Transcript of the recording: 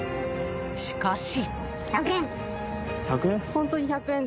しかし。